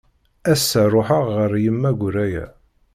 Ass-a ruḥeɣ ɣer Yemma Guraya.